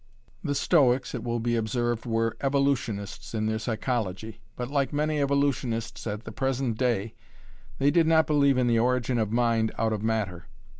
The Stoics, it will be observed, were Evolutionists in their psychology. But, like many Evolutionists at the present day, they did not believe in the origin of mind out of matter.